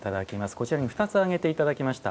こちらに２つ挙げていただきました。